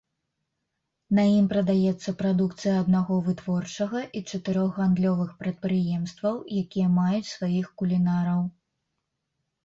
На ім прадаецца прадукцыя аднаго вытворчага і чатырох гандлёвых прадпрыемстваў, якія маюць сваіх кулінараў.